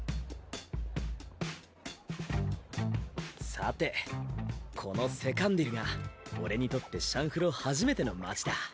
さてこのセカンディルが俺にとって「シャンフロ」初めての街だ。